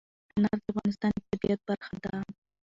انار د افغانستان د طبیعت برخه ده.